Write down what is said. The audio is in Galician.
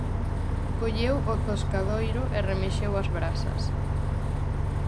Colleu o zoscadoiro e remexeu as brasas.